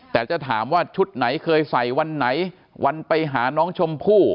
แต่จะถามว่าชุดไหนเคยใส่วันไหนวันไปหาน้องชมพู่